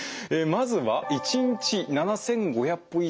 まずは「１日７，５００歩以上歩く」。